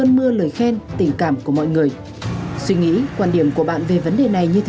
thì mời anh bấm vào cái nút